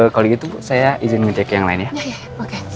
kalau gitu saya izin ngecek yang lainnya ya oke